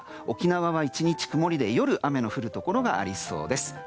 沖縄は１日曇りで、夜雨の降るところがありそうです。